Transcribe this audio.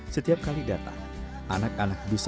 setiap kali datang anak anak bisa menikmati mobil pintar